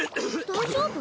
大丈夫？